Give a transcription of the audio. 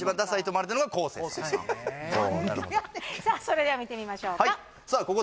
さあそれでは見てみましょうかはいさあ